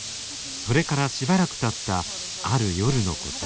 それからしばらくたったある夜のこと。